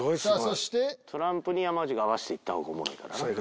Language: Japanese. トランプに山内が合わした方がおもろいからな。